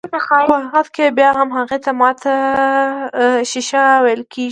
خو په حقيقت کې بيا هم هغې ته ماته ښيښه ويل کيږي.